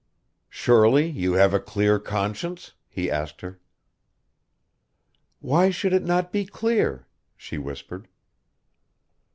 "Surely you have a clear conscience?" he asked her. "Why should it not be clear?" she whispered.